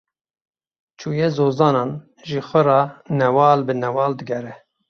Çûye zozanan, ji xwe re newal bi newal digere.